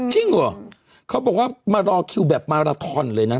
จริงเหรอเขาบอกว่ามารอคิวแบบมาราทอนเลยนะ